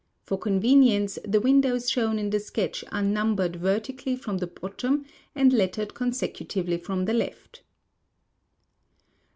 For convenience, the windows shown in the skeUih arc numbered vertically from the bottom and lettered con.secutively from tlu; loft.